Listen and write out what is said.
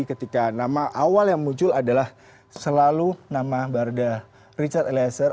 ketika nama awal yang muncul adalah selalu nama barda richard eliezer